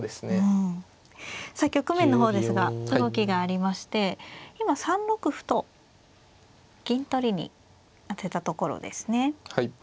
うんさあ局面の方ですが動きがありまして今３六歩と銀取りに当てたところですね。